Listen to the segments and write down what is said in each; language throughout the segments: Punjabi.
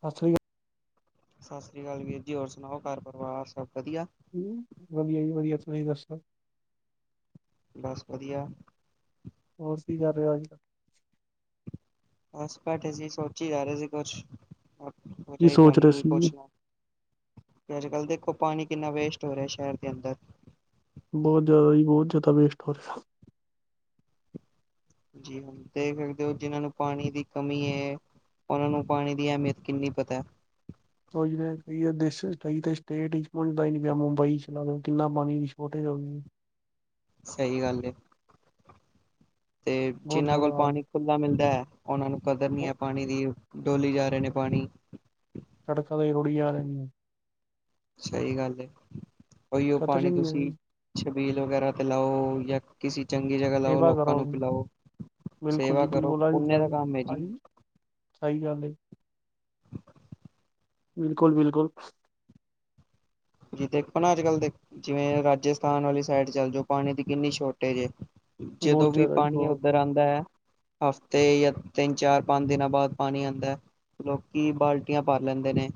ਸਤਿ ਸ਼ੀ ਅਕਾਲ। ਸਤਿ ਸ੍ਰੀ ਅਕਾਲ ਵੀਰ ਜੀ, ਹੋਰ ਸੁਣਾਓ ਘਰ ਪਰਿਵਾਰ ਸਭ ਵਧੀਆ। ਵਧੀਆ ਜੀ ਵਧੀਆ ਤੁਸੀਂ ਦੱਸੋ। ਬਸ ਵਧੀਆ। ਹੋਰ ਕੀ ਕਰ ਰਹੇ ਹੋ ਅੱਜ ਕੱਲ। ਬਸ ਬੈਠੇ ਸੀ ਸੋਚੀ ਜਾ ਰਹੇ ਸੀ ਕੁਛ, ਕੀ ਸੋਚ ਰਹੇ ਤੁਹਾਨੂੰ ਹੀ ਸੀ ਜੀ ਪੁੱਛ ਲਾ। ਤੇ ਅੱਜ ਕੱਲ੍ਹ ਦੇਖੋ, ਪਾਣੀ ਕਿੰਨਾ ਵੇਸਟ ਹੋ ਰਿਹਾ ਸ਼ਹਿਰ ਦੇ ਅੰਦਰ। ਬਹੁਤ ਜ਼ਿਆਦਾ ਜੀ ਬਹੁਤ ਜ਼ਿਆਦਾ ਵੇਸਟ ਹੋ ਰਿਹਾ। ਜੀ ਹ ਦੇਖ ਸਕਦੇ ਹੋ ਜਿਹਨਾਂ ਨੂੰ ਪਾਣੀ ਦੀ ਕਮੀ ਹੈ। ਉਹਨਾਂ ਨੂੰ ਪਾਣੀ ਦੀ ਅਹਿਮੀਅਤ ਕਿੰਨੀ ਪਤਾ ਹੈ। ਉਹ ਜਿ ਕਈ ਦੇ ਕਈ ਸਟੇਟ ਵਿੱਚ ਪਹੁੰਚਦਾ ਹੀ ਨਹੀਂ ਪਿਆ, ਮੁੰਬਈ ਲਾ ਲਓ ਕਿੰਨਾ ਪਾਣੀ ਦੀ ਸ਼ੋਰਟੇਜ ਹੋ ਗਈ। ਸਹੀ ਗੱਲ। ਤੇ ਬਹੁਤ ਜਿਨਾਂ ਕੋਲ ਬੁਰਾ ਹਾਲ ਪਾਣੀ ਖੁਲਾ ਮਿਲਦਾ ਹੈ ਉਹਨਾਂ ਨੂੰ ਕਦਰ ਨੀ ਹੈ ਉਹ ਪਾਣੀ ਦੀ। ਡੋਲੀ ਜਾ ਰਹੇ ਨੇ ਪਾਣੀ। ਸੜਕਾਂ ਤੇ ਹੀ ਰੋੜੀ ਜਾ ਰਹੇ ਆ। ਸਹੀ ਗੱਲ, ਉਹੀ ਉਹ ਕਦਰ ਹੀ ਪਾਣੀ ਤੁਸੀਂ ਨਹੀਂ ਛਬੀਲ ਵਗੈਰਾ ਤੇ ਲਾਓ ਜਾਂ ਕਿਸਸੀ ਚੰਗੀ ਜਗ੍ਹਾ ਲਾਓ ਸੇਵਾ ਲੋਕਾਂ ਕਰੋ ਨੂੰ ਪਿਲਾਓ, ਬਿਲਕੁਲ ਸੇਵਾ ਜੀ ਕਰੋ ਬਿਲਕੁਲ ਅੱਜ ਪੁੰਨ ਦਾ ਕੱਲ ਕੰਮ ਹੈ ਜੀ। ਹਾਂਜੀ ਸਹੀ ਗੱਲ। ਬਿਲਕੁਲ ਬਿਲਕੁਲ। ਜ ਦੇਖੋ ਨਾ ਅੱਜ ਕੱਲ ਦੇ ਜਿਵੇਂ ਰਾਜਸਥਾਨ ਵਾਲੀ ਸਾਈਡ ਚੱਲ ਜਾਓ ਪਾਣੀ ਦੀ ਕਿੰਨੀ ਸ਼ੋਰਟੇਜ ਹੈ। ਜਦੋਂ ਬਹੁਤ ਵੀ ਜ਼ਿਆਦਾ ਜੀ ਪਾਣੀ ਬਹੁਤ ਉੱਧਰ ਆਉਂਦਾ ਹੈ। ਹਫ਼ਤੇ ਜਾਂ ਤਿੰਨ ਚਾਰ ਪੰਜ ਦਿਨਾਂ ਬਾਅਦ ਪਾਣੀ ਆਉਂਦਾ ਹੈ। ਲੋਕੀ ਬਾਲਟੀਆਂ ਭਰ ਲੈਂਦੇ ਨੇ।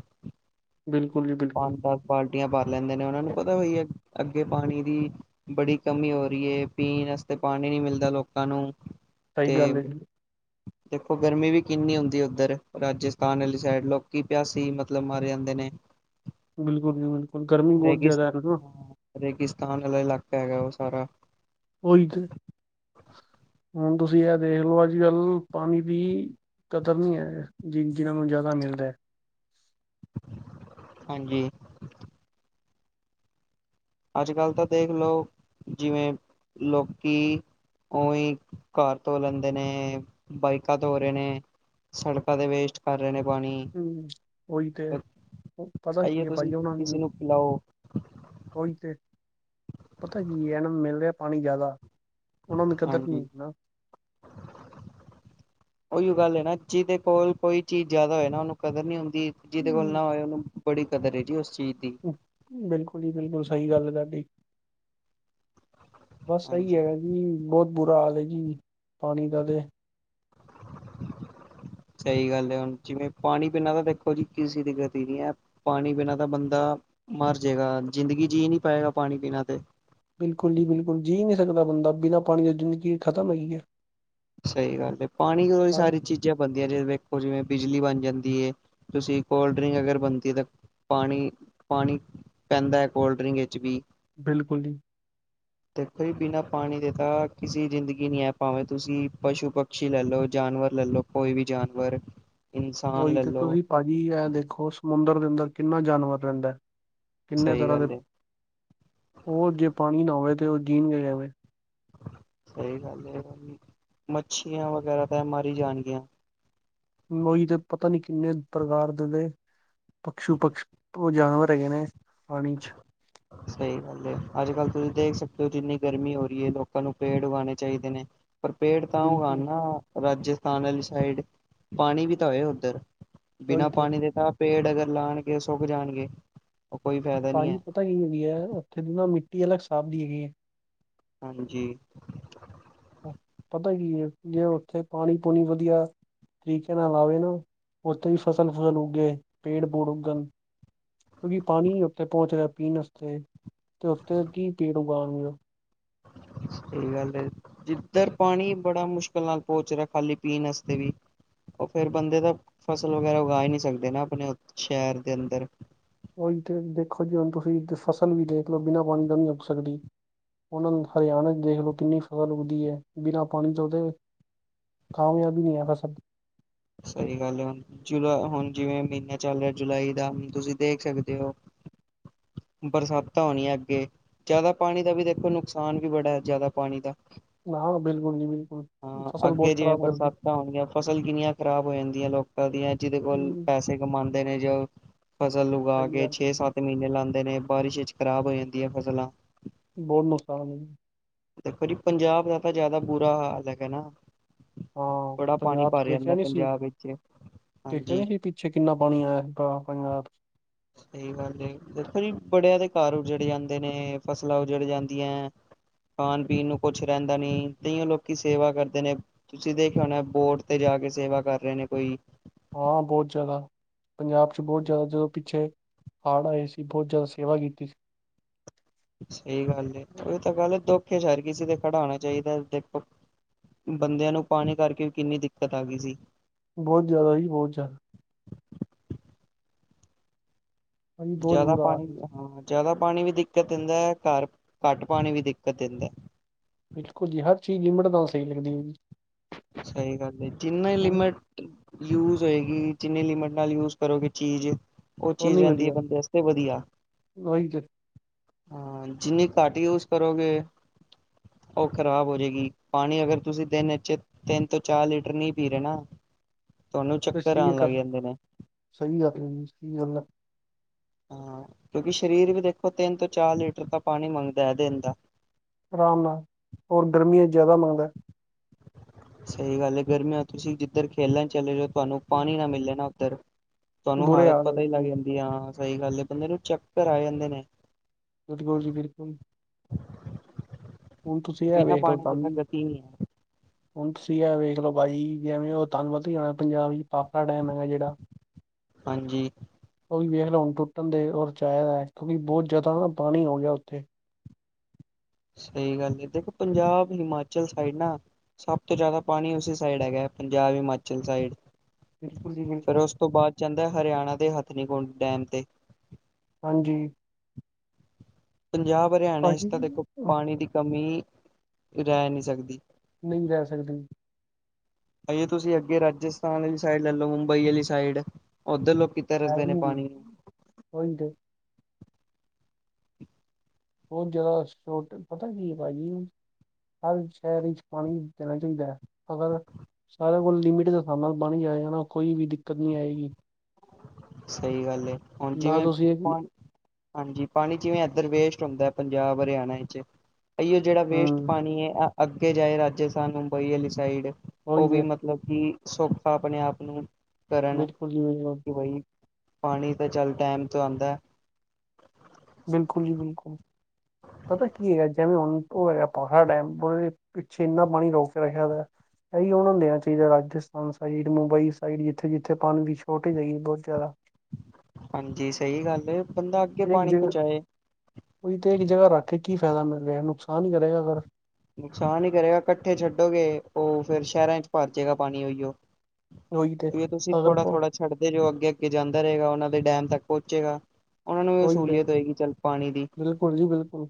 ਬਿਲਕੁਲ ਜੀ ਬਿਲਕੁਲ। ਪੰਜ ਦਸ ਬਾਲਟੀਆਂ ਭਰ ਲੈਂਦੇ ਨੇ, ਉਹਨਾਂ ਨੂੰ ਪਤਾ ਹੈ ਅੱਗੇ ਪਾਣੀ ਦੀ। ਬੜੀ ਕਮੀ ਹੋ ਰਹੀ ਹੈ ਪੀਣ ਵਾਸਤੇ ਪਾਣੀ ਨਹੀਂੀ ਮਿਲਦਾ ਲੋਕਾਂ ਨੂੰ ਸਹੀ ਤੇ ਗੱਲ ਹੈ ਜੀ ਦੇਖੋ ਗਰਮੀ ਵੀ ਕਿੰਨੀ ਹੁੰਦੀ ਉੱਧਰ, ਰਾਜਸਥਾਨ ਵਾਲੀ ਸਾਈਡ ਲੋਕੀ ਪਿਆਸੀ ਮਤਲਬ ਮਾਰੇ ਜਾਂਦੇ ਨੇ। ਬਿਲਕੁਲ ਜੀ ਬਿਲਕਲ। ਰੇਗਿਸਤ ਹਾਂ ਰੇਗਿਸਤਾਨ ਵਾਲਾ ਇਲਾਕਾ ਹੈਗਾ ਉਹ ਸਾਰਾ। ੳਈ ਤੇ- ਹੁਣ ਤੁਸੀਂ ਇਹ ਦੇਖ ਲਓ ਅੱਜ ਕੱਲ ਪਾਣੀ ਦੀ- ਕਤਰ ਨਹੀਂ ਹੈ। ਜਿਹਨ੍ਹਾਂ ਨੂੰ ਜ਼ਿਆਦਾ ਮਿਲਦਾ। ਹਾਂਜੀ ਅੱਜ ਕੱਲ੍ਹ ਤਾਂ ਦੇਖ ਲਓ ਜਿਵੇਂ ਲੋਕੀ ਉਹੀ ਕਾਰ ਧੋ ਲੈਂਦੇ ਨੇ, ਬਾਈਕਾਂ ਧੋਂ ਹੋ ਰਹੇ ਨੇ। ਸੜਕਾਂ ਤੇ ਵੇਸਟ ਕਰ ਰਹੇ ਨੇ ਪਾਣੀ। ਹਮ ਉਹੀ ਤੇ, ਪਤਾ ਕੀ ਆਈਏ ਹੈ ਤੁਸੀਂ ਭਾਜੀ ਉਹਨਾ ਕਿਸੇ ਨੂੰ ਪਿਲਾਓ ਉਹੀ ਤੇ, ਪਤਾ ਕੀ ਇਹਨਾਂ ਨੂੰ ਮਿਲ ਰਿਹਾ ਪਾਣੀ ਜ਼ਿਆਦਾ। ਉਹਨਾਂ ਨੂੰ ਕਦਰ ਹਾਂਜੀ ਨਹੀਂਣਾ। ਉਹੀ ਗੱਲ ਹੈ ਨਾ ਜਿਹਦੇ ਕੋਲ ਕੋਈ ਚੀਜ਼ ਜ਼ਿਆਦਾ ਹੋਏ ਨਾ ਉਹਨੂੰ ਕਦਰ ਨੀ ਹੁੰਦੀ। ਜਿਹਦੇ ਕੋਲ ਹਮ ਨਾ ਹੋਏ ਉਹਨੂੰ ਬੜੀ ਕਦਰ ਹੈ ਜੀ ਉਸ ਚੀਜ਼ ਦੀ। ਬਿਲਕੁਲ ਜੀ ਬਿਲਕੁਲ ਸਹੀ ਗੱਲ ਹੈ ਤੁਹਾਡੀ, ਬਸ ਐਹੀ ਹਾਂਜੀ ਹੈਗਾ। ਹਮ ਬਹੁਤ ਬੁਰਾ ਹਾਲ ਹੈ ਜੀ, ਪਾਣੀ ਦਾ ਤੇ ਸਹੀ ਗੱਲ ਹੈ ਹੁਣ, ਜਿਵੇਂ ਪਾਣੀ ਪੀਣਾ ਤਾਂ ਦੇਖੋ ਜੀ ਕਿਸੇ ਦੀ ਗਤੀ ਨੀ ਹੈ। ਪਾਣੀ ਪੀਣਾ ਤਾਂ ਬੰਦਾ ਮਰ ਜਾਏਗਾ, ਜ਼ਿੰਦਗੀ ਜੀਅ ਨਹੀਂ ਪਾਏਗਾ ਪਾਣੀ ਬਿਣਾ ਤੇ ਬਿਲਕੁਲ ਜੀ ਬਿਲਕੁਲ ਜੀਅ ਨਹੀਂ ਸਕਦਾ ਬੰਦਾ ਬਿਨਾਂ ਪਾਣੀ ਦੀ ਜ਼ਿੰਦਗੀ ਖ਼ਤਮ ਹੈਗੀ ਹੈ। ਸਹੀ ਗੱਲ, ਤੇ ਪਾਣੀ ਤੋ ਕਈ ਸਾਰੀ ਚੀਜ਼ਾਂ ਚੀਾਂ ਬਣਦੀਆਂ ਜ ਵੇਖੋ ਜਿਵੇਂ ਬਿਜਲੀ ਬਣ ਜਾਂਦੀ ਹੈ ਤੁਸੀਂ ਕੋਲਡ ਡਰਿੰਕ ਅਗਰ ਬਣਦੀ ਹੈ ਤਾਂ ਪਾਣੀ ਪਾਣੀ ਪੈਂਦਾ ਹੈ ਕੋਲਡ ਡਰਿੰਕ ਵਿੱਚ ਵੀ। ਬਿਲਕੁਲ ਜੀ- ਦੇਖੋ ਜੀ ਬਿਨਾਂ ਪਾਣੀ ਦੇ ਤਾਂ ਕਿਸੇ ਜ਼ਿੰਦਗੀ ਨਹੀਂ ਹੈ ਭਾਵੇਂ ਤੁਸੀਂ ਪਸ਼ੂ ਪ ਪੰਛੀ ਲੈ ਲਓ, ਜਾਨਵਰ ਲੈ ਲਓ, ਕੋਈ ਵੀ ਜਾਨਵਰ ਇਨਸਾਨ ਉਹੀ ਲੈ ਤੇ, ਲਓ ਤੁਸੀਂ ਭਾਜੀ ਇਹ ਦੇਖੋ ਸਮੁੰਦਰ ਦੇ ਅੰਦਰ ਕਿੰਨਾ ਜਾਨਵਰ ਰਹਿੰਦਾ ਹੈ। ਕਿੰਨੇ ਸਹੀ ਤਰ੍ਹਾਂ ਦੇ, ਗੱਲ ਹੈ ਓ ਜੇ ਪਾਨੀ ਨਾ ਹੋਵੇ ਤੇ ਓ ਜੀਨ ਗੇ ਕਿਵੇਂ? ਸਹੀ ਗੱਲ ਏ [unintelligible] ਮੱਛੀਆਂ ਵਗੈਰਾ ਤੇ ਮਰ ਈ ਜਾਨਗੀਆਂ। ਓਈ ਤੇ ਪਤਾ ਨਹੀਂ ਕਿੰਨੇ ਪ੍ਰਕਾਰ ਦੇ ਤੇ ਪਸ਼ੂ ਪਸ਼ ਓ ਜਾਨਵਰ ਹੈਗੇ ਨੇ ਪਾਣੀ 'ਚ। [inaudible] ਸਹੀ ਗੱਲ ਏ, ਅੱਜ-ਕੱਲ ਤੁਸੀਂ ਦੇਖ ਸਕਦੇ ਹੋ ਜਿੰਨੀ ਗਰਮੀ ਹੋ ਰੀ ਏ ਲੋਕਾਂ ਨੂੰ ਪੇੜ ਉਗਾਨੇ ਚਾਹੀਦੇ ਨੇ। ਪਰ ਪੇੜ ਤਾਂ ਬਿਲਕੁਲ ਉਗਾਨ ਨਾ ਰਾਜਸਥਾਨ ਵਾਲੀ ਸਾਈਡ, ਪਾਨੀ ਵੀ ਤਾਂ ਹੋਏ ਓਦਰ। ਉਹੀ ਬਿਨਾਂ ਤੇ ਪਾਣੀ ਦੇ ਤਾਂ ਪੇੜ ਅਗਰ ਲਾਣਗੇ ਸੁੱਕ ਜਾਣਗੇ। ਉਹ ਕੋਈ ਫਾਇਦਾ ਨਹੀਂ ਭਾਜੀ ਹੈ ਪਤਾ ਕੀ ਹੁੰਦੀ ਏ? ਓਥੇ ਦੀ ਨਾ ਮਿੱਟੀ ਅਲੱਗ ਸਾਬ ਦੀ ਹੈਗੀ ਏ। ਹਾਂਜੀ। ਪਤਾ ਕੀ ਏ ਜੇ ਓਥੇ ਪਾਨੀ-ਪੂਨੀ ਵਧੀਆ ਤਰੀਕੇ ਨਾਲ ਆਵੇ ਨਾ, ਓਥੇ ਵੀ ਫਸਲ-ਫੁਸਲ ਉੱਗੇ ਪੇੜ-ਪੂੜ ਉੱਗਨ। ਕਿਉਂਕਿ ਪਾਨੀ ਨੀ ਓਥੇ ਪਹੁੰਚ ਰਿਹਾ ਪੀਨ ਅਸਤੇ ਤੇ ਓਥੇ ਕੀ ਪੇੜ ਉਗਾਨਗੇ‌ ਓ। ਸਈ ਗੱਲ ਏ। ਜਿੱਧਰ ਪਾਨੀ ਬੜਾ ਮੁਸ਼ਕਿਲ ਨਾਲ ਪਹੁੰਚ ਰਿਹਾ ਖਾਲੀ ਪੀਨ ਅਸਤੇ ਵੀ ਓ ਫੇਰ ਬੰਦੇ ਤਾਂ ਫਸਲ ਵਗੈਰਾ ਉਗਾ ਹੀ ਨੀ ਸਕਦੇ ਨਾ ਅਪਨੇ ਸ਼ਹਿਰ ਦੇ ਅੰਦਰ। ਓਈ ਤੇ ਦੇਖੋ ਜੀ ਹੁਨ ਤੁਸੀਂ ਫਸਲ ਵੀ ਦੇਖ ਲੋ ਬਿਨਾ ਪਾਨੀ ਤੋਂ ਨੀ ਉੱਗ ਸਕਦੀ। ਹੁਨ ਹਰਿਆਣੇ 'ਚ ਦੇਖਲੋ ਕਿੰਨੀ ਫਸਲ ਉਗਦੀ ਏ, ਬਿਨਾ ਪਾਨੀ ਤੋਂ ਦੇ ਕਾਮਯਾਬ ਹੀ ਨੀ ਐ। [unintelligible] ਸਹੀ ਗੱਲ ਐ ਹੁਨ, ਜੁਲਾ ਹੁਨ ਜਿਵੇਂ ਮਹੀਨਾ ਚੱਲ ਰਿਹਾ ਜੁਲਾਈ ਦਾ, ਹੁਨ ਤੁਸੀਂ ਦੇਖ ਸਕਦੇ ਹੋ ਬਰਸਾਤਾਂ ਹੋਨੀਆਂ ਅੱਗੇ, ਜ਼ਿਆਦਾ ਪਾਣੀ ਦਾ ਵੀ ਦੇਖੋ ਨੁਕਸਾਨ ਵੀ ਬੜਾ, ਜ਼ਿਆਦਾ ਪਾਣੀ ਦਾ। ਹਾਂ, ਬਿਲਕੁਲ ਜੀ ਬਿਲਕੁਲ। ਹਾਂ, ਫਸਲ ਅੱਗੇ ਬਹੁਤ ਜਿਵੇਂ ਖ਼ਰਾਬ ਕਰਦੀ ਬਰਸਾਤਾਂ ਹੋਨਗੀਆਂ ਫਸਲ ਕਿੰਨੀਆਂ ਖ਼ਰਾਬ ਹੋ ਜਾਂਦੀਆਂ ਲੋਕਾਂ ਦੀਆਂ, ਜਿਦੇ ਕੋਲ ਹਮ, ਪੈਸੇ ਕਮਾਂਦੇ ਨੇ ਜੋ ਫਸਲ ਉਗਾ ਸਹੀ ਕੇ, ਗੱਲ ਹੈ, ਛੇ-ਸੱਤ ਮਹੀਨੇ ਲਾਂਦੇ ਨੇ, ਬਾਰਿਸ਼ 'ਚ ਖ਼ਰਾਬ ਹੋ ਜਾਂਦੀਆਂ ਫਸਲਾਂ। ਬੋਤ ਨੁਕਸਾਨ ਐ ਜੀ। ਦੇਖੋ ਜੀ ਪੰਜਾਬ ਦਾ ਤਾਂ ਜ਼ਿਆਦਾ ਬੁਰਾ ਹਾਲ ਹੈਗਾ ਨਾ। ਹਾਂ ਬੜਾ ਪਾਣੀ ਪੰਜਾਬ 'ਚ ਭਰ ਦੇਖਿਆ ਜਾਂਦਾ ਨੀ ਸੀ, ਪੰਜਾਬ ਵਿੱਚ ਦੇਖਿਆ ਨੀ ਹਾਂਜੀ ਸੀ ਪੀ ਪਿੱਛੇ ਕਿੰਨਾ ਪਾਨੀ ਆਇਆ [unintelligible] ਪੰਜਾਬ। ਸਹੀ ਗੱਲ ਏ, ਦੇਖੋ ਜੀ ਬੜੇਆਂ ਦੇ ਘਰ ਉਜੜ ਜਾਂਦੇ ਨੇ, ਫਸਲਾਂ ਉਜੜ ਜਾਂਦੀਆਂ। ਖਾਨ ਪੀਨ ਨੂੰ ਕੁਛ ਰਹਿੰਦਾ ਨੀ ਤਇਓ ਲੋਕੀ ਸੇਵਾ ਕਰਦੇ ਨੇ। ਤੁਸੀਂ ਦੇਖਿਆ ਹੋਨਾਂ ਬੋਟ ਤੇ ਜਾ ਕੇ ਸੇਵਾ ਕਰ ਰਹੇ ਨੇ ਕੋਈ। ਹਾਂ ਬੋਤ ਜਾਦਾ। ਪੰਜਾਬ 'ਚ ਬੋਤ ਜਾਦਾ ਜਦੋਂ ਪਿੱਛੇ ਹਾੜ੍ਹ ਆਏ ਸੀ, ਬੋਤ ਜਾਦਾ ਸੇਵਾ ਕੀਤੀ ਸੀ। ਸਹੀ ਗੱਲ ਏ, ਓ ਤਾਂ ਗੱਲ ਦੁੱਖ 'ਚ ਹਰ ਕਿਸੇ ਤੇ ਖੜਾ ਹੋਨਾ ਚਾਈਦਾ, ਦੇਖੋ ਬੰਦਿਆਂ ਨੂੰ ਪਾਨੀ ਕਰਕੇ ਵੀ ਕਿੰਨੀ ਦਿੱਕਤ ਆ ਗੀ ਸੀ। ਬੋਤ ਜਾਦਾ ਜੀ ਬੋਤ ਜਾਦਾ। ਭਾਜੀ ਬਹੁਤ ਜ਼ਿਆਦਾ ਬੁਰਾ ਹਾਲ ਪਾਣੀ ਸੀ ਹਾਂ। ਜਿਆਦਾ ਪਾਣੀ ਵੀ ਦਿੱਕਤ ਦੇਂਦਾ, ਘਰ ਘੱਟ ਪਾਣੀ ਵੀ ਦਿੱਕਤ ਦੇਂਦਾ। ਬਿਲਕੁਲ ਜੀ, ਹਰ ਚੀਜ਼ ਲਿਮਟ ਨਾਲ ਸਈ ਲੱਗਦੀ ਐ ਜੀ। ਸਈ ਗੱਲ ਏ, ਜਿੰਨੀ ਹਮ, ਲਿਮਿਟ ਯੂਜ ਹੋਏਗੀ, ਜਿੰਨੀ ਲਿਮਿਟ ਨਾਲ ਯੂਜ ਕਰੋਗੇ ਚੀਜ਼ ਓ ਉਹ ਚੀਜ਼ ਨਹੀਂ ਰਹਿੰਦੀ ਏ ਵਧੀਆ ਬੰਦੇ ਅਸਤੇ ਵਧੀਆ। ਉਹੀ ਤੇ ਹਾਂ, ਜਿੰਨੀ ਘੱਟ ਯੂਜ ਕਰੋਗੇ ਓ ਖਰਾਬ ਹੋ ਜੇਗੀ, ਪਾਨੀ ਅਗਰ ਤੁਸੀਂ ਦਿਨ 'ਚ ਤਿੰਨ ਤੋਂ ਚਾਰ ਲੀਟਰ ਨੀ ਪੀ ਰੇ ਨਾ ਤੁਹਾਨੂੰ ਚੱਕਰ ਆਨ ਲੱਗ ਜਾਂਦੇ ਨੇ। ਸਈ ਆਖਿਆ ਜੀ, ਸਈ ਗੱਲ ਐ। ਹਾਂ ਕਿਉਂਕਿ ਸਰੀਰ ਵੀ ਦੇਖੋ ਤਿੰਨ ਤੋਂ ਚਾਰ ਲੀਟਰ ਤਾਂ ਪਾਨੀ ਮੰਗਦਾ ਐ ਦਿਨ ਦਾ। ਆਰਾਮ ਨਾਲ, ਹੋਰ ਗਰਮੀਆਂ 'ਚ ਜਾਦਾ ਮੰਗਦਾ ਐ। ਸਈ ਗੱਲ ਏ, ਗਰਮੀਆਂ ਤੁਸੀਂ ਜਿੱਧਰ ਖੇਲਨ ਚਲੇ ਜੋ, ਤੁਹਾਨੂੰ ਪਾਨੀ ਨਾ ਮਿਲੇ ਨਾ ਤੁਹਾਨੂੰ ਬੁਰੇ ਹਾਲਤ ਹਾਲ ਪਤਾ ਹੋਏ ਹੀ ਲੱਗ ਪਏ ਜਾਂਦੀ ਆ ਸਹੀ ਗੱਲ ਏ ਬੰਦੇ ਨੂੰ ਚੱਕਰ ਆ ਜਾਂਦੇ ਨੇ। ਤੁਹਾਡ ਗੋਲ ਜੀ ਬਿਲਕੁੱਲ। ਹੁਣ ਤੁਸੀਂ ਇਹ ਬਿਨਾਂ ਵੇਖ ਲਓ ਪਾਣੀ ਦੇ ਤਾਂ ਤਾਂਵੀ ਗਤੀ ਨਹੀਂ ਹੈ ਹੁਣ ਤੁਸੀਂ ਹੈ ਵੇਖ ਲਓ ਪਾਜੀ ਜਿਵੇਂ ਉਹ ਤਨ ਪਤਾ ਹੀ ਜਾਣਾ ਪੰਜਾਬ ਵਿੱਚ ਪਾਖੜਾ ਡੈਮ ਹੈਗਾ ਜਿਹੜਾ ਹਾਂਜੀ। ਉਹ ਵੀ ਵੇਖ ਲ ਹੁਣ ਟੁੱਟਣ ਦੇ ਉਹ ਚ ਹੋਯਾ ਹੈ ਕਿਉਂਕਿ ਬਹੁਤ ਜ਼ਿਆਦਾ ਨਾ ਪਾਣੀ ਹੋ ਗਿਆ ਉੱਥੇ। ਸਹੀ ਗੱਲ ਏ ਦੇਖੋ ਪੰਜਾਬ ਹਿਮਾਚਲ ਸਾਈਡ ਨਾ। ਸਭ ਤੋਂ ਜ਼ਿਆਦਾ ਪਾਣੀ ਉਸੇ ਸਾਈਡ ਹੈਗਾ ਹੈ ਪੰਜਾਬ ਹਿਮਾਚਲ ਸਾਈਡ। ਬਿਲਕੁਲ ਜੀ ਫਿਰ ਬਿਲਕੁਲ ਉਸ ਤੋਂ ਬਾਅਦ ਜਾਂਦਾ ਹਰਿਆਣਾ ਦੇ ਹਥਨੀਕੁੰਡ ਡੈਮ ਤੇ। ਹਾਂਜੀ। ਪੰਜਾਬ ਹਰਿਆਣੇ ਚ ਭਾਜੀ ਤਾਂ ਦੇਖੋ ਪਾਣੀ ਦੀ ਕਮੀ ਰਹਿ ਨਹੀਂ ਸਕਦੀ। ਨਹੀਂ ਰਹਿ ਸਕਦੇ। ਅਹਿਯੋ ਤੁਸੀਂ ਅੱਗੇ ਰਾਜਸਥਾਨ ਵਾਲੀ ਸਾਈਡ ਲੈ ਲਓ ਮੁੰਬਈ ਵਾਲੀ ਸਾਈਡ ਉੱਧਰ ਲੋਕੀ ਤਰਸਦੇ ਐਸ ਨੇ ਯੂ ਪਾਣੀ ਨੂੰ ਵਿਸ਼। ਉਈ ਤੇ ਬਹੁਤ ਜ਼ਿਆਦਾ ਸੋਪਟ ਪਤਾ ਕੀ ਭ ਗਈ। ਹਰ ਸ਼ਹਿਰ ਵਿੱਚ ਪਾਣੀ ਦੇਣਾ ਚਾਹੀਦਾ ਅਗਰ ਸਾਰਿਆਂ ਕੋਲ ਲਿਮਿਟ ਦਾ ਸਾਹਮ ਨਾਲ ਬਣ ਜਾਏ ਨਾ ਕੋਈ ਵੀ ਦਿੱਕਤ ਨੀ ਆਏਗੀ। ਸਹੀ ਗੱਲ ਏ ਹੁਣ ਨਾ ਜਿਵੇਂ ਤੁਸੀਂ ਹਾਂਜੀ ਪਾਣੀ ਜਿਵੇਂ ਇੱਧਰ ਵੇਸਟ ਹੁੰਦਾ ਪੰਜਾਬ ਹਰਿਆਣਾ ਵਿੱਚ। ਇਓ ਜਿਹੜਾ ਵੇਸਟ ਹੂੰ ਪਾਣੀ ਏ ਅੱਗੇ ਜਾਏ ਰਾਜਸਥਾਨ ਮੁੰਬਈ ਵਾਲੀ ਸਾਈਡ ਉਹ ਉਹੀ ਵੀ ਹੈ ਮਤਲਬ ਮਤਲਬ ਕਿ ਸੌਖਾ ਆਪਣੇ ਆਪ ਨੂੰ ਕਰਨ ਬਿਲਕੁੱਲ ਜੀ ਬਿਲਕੁੱਲ। ਕਿ ਬਈ ਪਾਣੀ ਤਾਂ ਚੱਲ ਡੈਮ ਤੋਂ ਆਂਦਾ। ਬਿਲਕੁੱਲ ਜੀ ਬਿਲਕੁੱਲ ਪਤਾ ਕੀ ਹੈ ਜੈਵੇਂ ਹੁਣ ਉਹ ਹੈ ਪਹਾੜ ਡੈਮਬ ਓਏ ਪਿੱਛੇ ਇੰਨਾ ਪਾਣੀ ਰੋ ਕੇ ਰਖਿਆ ਦਾ ਹੈ। ਇਹੀ ਉਹਨਾਂ ਨੂੰ ਦੇਣਾ ਚਾਹੀਦਾ ਰਾਜਸਥਾਨ ਸਾਈਡ ਮੁੰਬਈ ਸਾਈਡ ਜਿੱਥੇ-ਜਿੱਥੇ ਪਾਣੀ ਦੀ ਸੋਰਟੇਦ ਹੈਗੀ ਏ ਬਹੁਤ ਜ਼ਿਆਦਾ। ਹਾਂਜੀ ਸਹੀ ਗੱਲ ਏ। ਇੱਕ ਜਗਾ ਹੁਣ ਤੇ ਇੱਕ ਜਗ੍ਹਾ ਰੱਖ ਕੇ ਕੀ ਫਾਇਦਾ ਮੇਰੇ ਨੁਕਸਾਨ ਹੀ ਕਰੇਗਾ ਕਰੇਗਾ ਫਿਰ ਨੁਕਸਾਨ ਹੀ ਕਰੇਗਾ ਇਕੱਠੇ ਛੱਡੋਗੇ ਉਹ ਫੇਿਰ ਸ਼ਹਿਰਾਂ ਚ ਪਰਜੇਗਾ ਪਾਣੀ ਉਹੀਓ। ਉਹੀ ਤੇ ਇਹੀਓ ਤੁਸੀਂ ਅਗਰ ਪ ਥੋੜ੍ਹਾ-ਥੋੜ੍ਹਾ ਛੱਡਦੇ ਜੋ ਅੱਗੇ ਅੱਗੇ ਜਾਂਦਾ ਰਹੇਗਾ ਉਹਨਾਂ ਦੇ ਡੈਮ ਤੱਕ ਪਹੁੰਚੇਗਾ। ਉਹਨਾਂ ਨੂੰ ਵੀ ਸਸੂਲੀਅਤ ਹੋਏਗੀ ਚੱਲ ਪਾਣੀ ਦੀ ਹੋਲੀ ਬਿਲਕੁਲ।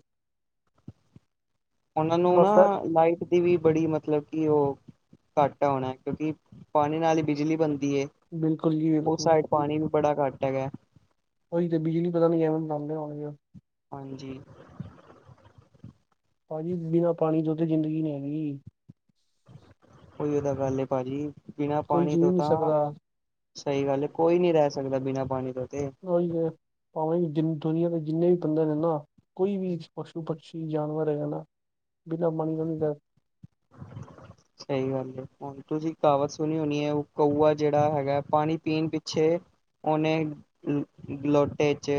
ਉਹਨਾਂ ਨੂੰ ਨਾ ਬਸ ਲਾਈਟ ਦੀ ਵੀ ਬੜੀ ਮਤਲਬ ਕਿ ਉਹ ਘੱਟ ਐ ਹੋਣਾ ਕਿਉਂਕਿ ਪਾਣੀ ਨਾਲ ਹੀ ਬਿਜਲੀ ਬਣਦੀ ਏ। ਬਿਲਕੁਲ ਜੀ ਉਸ ਬਿਲਕੁਲ ਸਾਈਡ ਪਾਣੀ ਵੀ ਬੜਾ ਘੱਟ ਹੈਗਾ। ਉਹੀ ਤੇ ਬਿਜਲੀ ਪਤਾ ਨੀ ਕਿਵੇਂ ਬਣਾਣਦੇ ਹੋਣਗੇ ਉਹ ਹਾਂਜੀ। ਪਾਜੀ ਬਿਨਾਂ ਪਾਣੀ ਤੋਂ ਤੇ ਜ਼ਿੰਦਗੀ ਨੀ ਹੈਗੀ ਜੀ। ਉਇਓ ਤਾਂ ਗੱਲ ਏ੍ ਪਾਜੀ ਬਿਨਾ ਕੋਈ ਪਾਣੀ ਜੀਅ ਤੋਂ ਨਹੀਂ ਤਾਂ ਸਕਦਾ ਸਹੀ ਗੱਲ ਏ ਕੋਈ ਨੀ ਰਹਿ ਸਕਦਾ ਬਿਨਾਂ ਪਾਣੀ ਤੋਂ ਤੇ ਉਹੀ ਤੇ ਪਾਵੇਂ ਦੁਨੀਆਂ ਦੇ ਜਿੰਨੇ ਵੀ ਬੰਦੇ ਨੇ ਨਾ ਕੋਈ ਵੀ ਪਸ਼ੂ-ਪਸ਼ੀ, ਜਾਨਵਰ ਹੈਗਾ ਨਾ ਬਿਨਾਂ ਪਾਣੀ ਤੋ ਨਹੀਂ ਰਹਿ ਸਕਦਾ ਸਹੀ ਗੱਲ ਏ ਹੁਣ ਤੁਸੀਂ ਕਹਾਵਤ ਸੁਣੀ ਹੋਣੀ ਏ ਉਹ ਕੌਆ ਜਿਹੜਾ ਹੈਗਾ ਪਾਣੀ ਪੀਣ ਪਿੱਛੇ ਉਹਨੇ ਲੋਟੇ ਚ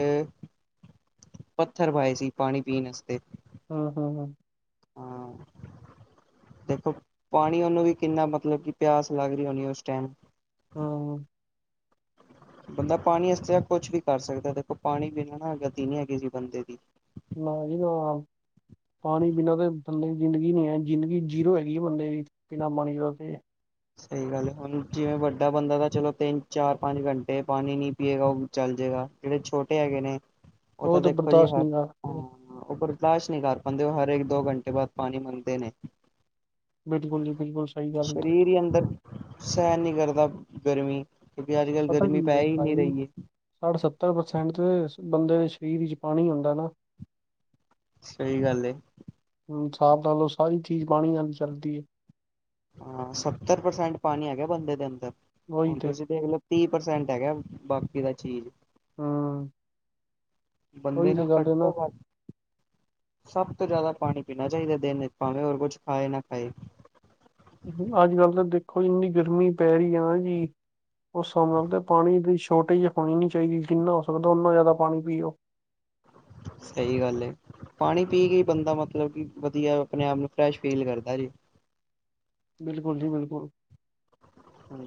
ਪੱਥਰ ਪਾਏ ਸੀ ਪਾਣੀ ਪੀਣ ਅਸਤੇ। ਹਾਂ-ਹਾਂ-ਹਾਂ। ਹਾਂ। ਦੇਖੋ ਪਾਣੀ ਉਹਨੂੰ ਵੀ ਕਿੰਨਾ ਮਤਲਬ ਕਿ ਪਿਆਸ ਲੱਗ ਰਹੀ ਹੋਣੀ ਉਸ ਟਾਈਮ। ਹਾਂ। ਬੰਦਾ ਪਾਣੀ ਵ ਕੁਛ ਵੀ ਕਰ ਸਕਦਾ ਦੇਖੋ, ਪਾਣੀ ਬਿਨਾਂ ਨਾ ਗਤੀ ਨਹੀਂੀ ਹੈਗੀ ਜੀ ਬੰਦੇ ਦੀ ਨਾ ਜੀ ਨਾ- ਪਾਣੀ ਬਿਨਾਂ ਤਾਂ ਬੰਦੇ ਦੀ ਜ਼ਿੰਦਗੀ ਨੀ ਹੈ ਜ਼ਿੰਦਗੀ ਜੀਰੋ ਹੈਗੀ ਆ ਬੰਦੇ ਦੀ, ਬਿਨਾਂ ਪਾਣੀ ਤੇ ਸਹੀ ਗੱਲ ਹੈ ਹੁਣ ਜਿਵੇਂ ਵੱਡਾ ਬੰਦਾ ਤਾਂ ਚਲੋ ਤਿੰਨ ਚਾਰ ਪੰਜ ਘੰਟੇ ਪਾਣੀ ਨੀ ਪੀਏਗਾ ਉਹ ਚੱਲ ਜਾੇਗਾ ਜਿਹੜੇ ਛੋਟੇ ਹੈਗੇ ਨੇ, ਉਹ ਤਾਂ ਦੇਖੋ ਜੀ ਹ ਬਰਦਾਸ਼ਤ ਹਾਂ- ਨਹੀਂ ਕਰ ਸਕਦੇ ਉਪਰ ਬਰਦਾਸ਼ ਨਹੀਂ ਕਰ ਪਾਉਂਦੇ ਉਹ ਹਰ ਇੱਕ ਦੋ ਘੰਟੇ ਬਾਅਦ ਪਾਣੀ ਮੰਗਦੇ ਨੇ ਬਿਲਕੁਲ ਜੀ ਬਿਲਕੁਲ ਸਹੀ ਗੱਲ ਤੁਹਾਡੀ ਸਰੀਰ ਵੀ ਅੰਦਰ ਸਹਿਣ ਨਹੀਂ ਕਰਦਾ ਗਰਮੀ ਕਿਉਂਕਿ ਅੱਜ ਕੱਲ ਗਰਮੀ ਪੈ ਹੀ ਇੰਨੀ ਰਹੀ ਹੈ ਸੱਠ ਸੱਤਰ ਪਰਸੈਂਟ ਤੇ ਬੰਦੇ ਦੇ ਸਰੀਰ ਵਿੱਚ ਪਾਣੀ ਹੁੰਦਾ ਹੈ। ਸਹੀ ਗੱਲ ਏ- ਹੁਨ ਸਾਬ ਲਾ ਲਓ ਸਾਰੀ ਚੀਜ਼ ਪਾਣੀ ਨਾਲ ਚੱਲਦੀ ਹਾਂ ਸੱਤਰ ਪਰਸੈਂਟ ਪਾਣੀ ਹੈਗਾ ਬੰਦੇ ਦੇ ਅੰਦਰ ਉਹੀ ਹੁਣ ਤੇ ਤੁਸੀਂ ਦੇਖ ਲਓ ਤੀਹ ਪ੍ਰਸੈਂਟ ਹੈਗਾ ਬਾਕੀ ਦਾ ਚੀਜ਼ ਹਾਂ- ਬੰਦੇ ਨੂੰ ਘੱਟ ਤੋਂ ਨਾ ਘੱਟ ਸਭ ਤੋਂ ਜ਼ਿਆਦਾ ਪਾਣੀ ਪੀਣਾ ਚਾਹੀਦਾ ਦਿਨ ਵਿਚ, ਭਾਵੇਂ ਹੋਰ ਕੁਝ ਖਾਏ ਨਾ ਖਾਏ ਅੱਜ ਕੱਲ ਤਾਂ ਦੇਖੋ ਇੰਨੀ ਗਰਮੀ ਪੈ ਰਹੀ ਹੈ ਨਾ ਜੀ- ਉਹ ਹਿਸਾਬ ਨਾਲ ਤੇ ਪਾਣੀ ਦੀ ਸ਼ੋਰਟੇਜ ਹੋਣੀ ਨੀ ਚਾਹੀਦੀ, ਜਿੰਨਾ ਹੋ ਸਕਦਾ ਉਓਨਾ ਜ਼ਿਆਦਾ ਪਾਣੀ ਪੀਓ। ਸਹੀ ਗੱਲ ਏ ਪਾਣੀ ਪੀ ਕੇ ਬੰਦਾ ਮਤਲਬ ਕਿ ਵਧੀਆ ਆਪਣੇ ਆਪ ਨੂੰ ਫਰੈਸ਼ ਫੀਲ ਕਰਦਾ ਜੀ ਬਿਲਕੁਲ ਜੀ ਬਿਲਕੁਲ ਹਾਂ,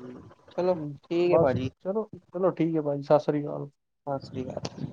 ਚਲੋ ਹਮ, ਠੀਕ ਹੈ ਬਸ ਭਾਜੀ- ਚਲੋ ਚਲੋ, ਠੀਕ ਆ ਭਾਜੀ ਸਤਿ ਸ੍ਰੀ ਅਕਾਲ। ਸਤਿ ਸ਼੍ਰੀ ਅਕਾਲ-